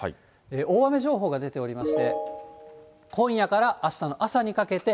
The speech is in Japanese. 大雨情報が出ておりまして、今夜からあしたの朝にかけて、